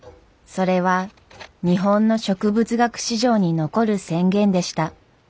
それは日本の植物学史上に残る宣言でした。